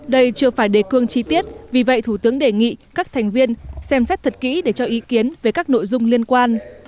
đây chưa phải đề cương chi tiết vì vậy thủ tướng đề nghị các thành viên xem xét thật kỹ để cho ý kiến về các nội dung liên quan